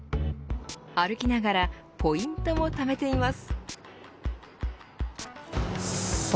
歩きながらポイントもためています。